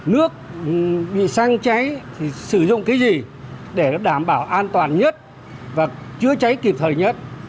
nước bị xăng cháy thì sử dụng cái gì để nó đảm bảo an toàn nhất và chữa cháy kịp thời nhất